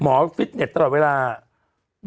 หมอฟิตเน็ตตลอดเวลาหรือแคร่